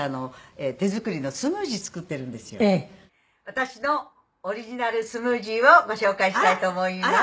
「私のオリジナルスムージーをご紹介したいと思います」